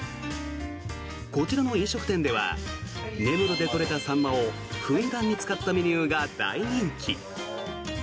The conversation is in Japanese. こちらの飲食店では根室で取れたサンマをふんだんに使ったメニューが大人気。